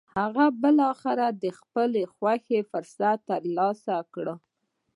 هغه بالاخره خپل د خوښې فرصت تر لاسه کړ.